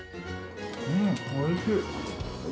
うーん、おいしい。